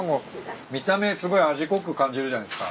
見た目すごい味濃く感じるじゃないっすか。